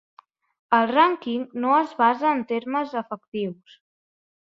El rànquing no es basa en termes efectius.